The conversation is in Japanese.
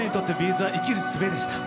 ’ｚは生きるすべでした。